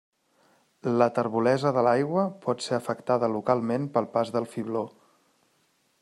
La terbolesa de l'aigua pot ser afectada localment pel pas del fibló.